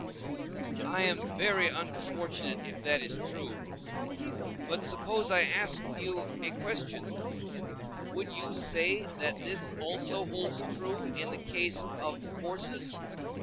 I am very unfortunate if that is true. But suppose I ask you a question: Would you say that this also holds true in the case of horses?